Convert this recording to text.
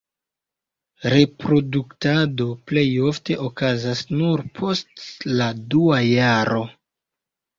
Reproduktado plej ofte okazas nur post la dua jaro.